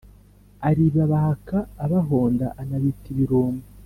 Aribibaka abahonda Anabita ibirumbo